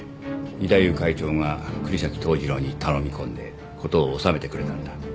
義太夫会長が國東統次郎に頼み込んで事を収めてくれたんだ